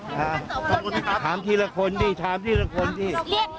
จะมีการเรียกสอบน้องชายท่านอะคะถามทีละคนดีถามทีละคนดี